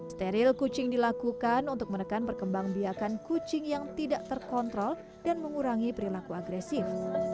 steril kucing dilakukan untuk menekan perkembang biakan kucing yang tidak terkontrol dan mengurangi perilaku agresif